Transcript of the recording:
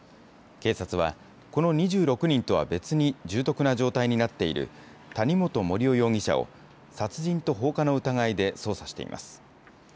警察はこの２６人とは別に重篤な状態になっている、谷本盛雄容疑者を、殺人と放火の疑いで捜査しています。